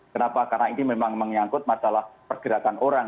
kenapa karena ini memang menyangkut masalah pergerakan orang